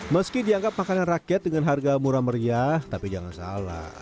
meski dianggap makanan rakyat dengan harga murah meriah tapi jangan salah